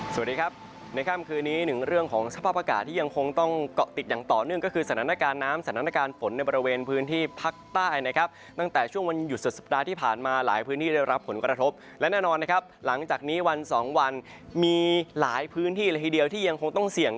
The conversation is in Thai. สวัสดีครับในค่ำคืนนี้หนึ่งเรื่องของสภาพอากาศที่ยังคงต้องเกาะติดอย่างต่อเนื่องก็คือสถานการณ์น้ำสถานการณ์ฝนในบริเวณพื้นที่ภาคใต้นะครับตั้งแต่ช่วงวันหยุดสุดสัปดาห์ที่ผ่านมาหลายพื้นที่ได้รับผลกระทบและแน่นอนนะครับหลังจากนี้วันสองวันมีหลายพื้นที่ละทีเดียวที่ยังคงต้องเสี่ยง